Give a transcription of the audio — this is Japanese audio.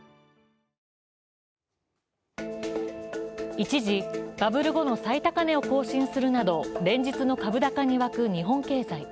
一時、バブル後の最高値を更新するなど連日の株高に沸く日本経済。